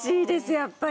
やっぱり。